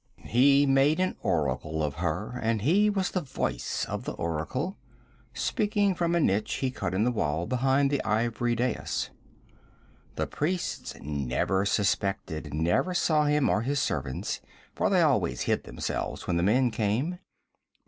'He made an oracle of her, and he was the voice of the oracle, speaking from a niche he cut in the wall behind the ivory dais. The priests never suspected, never saw him or his servants for they always hid themselves when the men came.